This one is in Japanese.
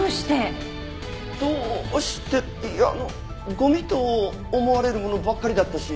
ゴミと思われるものばっかりだったし。